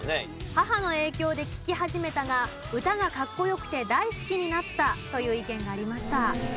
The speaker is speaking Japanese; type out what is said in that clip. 母の影響で聴き始めたが歌がかっこよくて大好きになったという意見がありました。